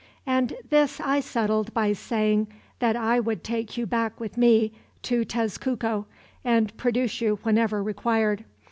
And this I settled by saying that I would take you back with me to Tezcuco, and produce you whenever required.